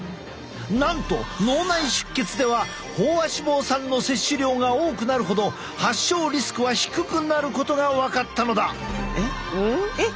なんと脳内出血では飽和脂肪酸の摂取量が多くなるほど発症リスクは低くなることが分かったのだ。